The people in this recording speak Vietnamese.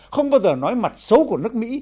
không bao giờ nói mặt xấu của nước mỹ